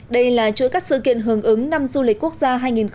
đây là chuỗi các sự kiện hưởng ứng năm du lịch quốc gia hai nghìn một mươi chín